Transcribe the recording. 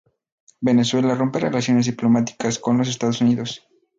Venezuela rompe relaciones diplomáticas con los Estados Unidos.